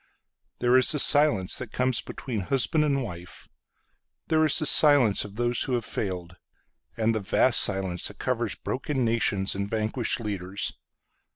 There is the silence that comes between husband and wife. There is the silence of those who have failed; And the vast silence that coversBroken nations and vanquished leaders.